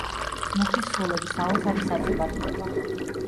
მუხის სულები, საოცარი საზოგადოება.